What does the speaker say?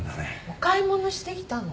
お買い物してきたの。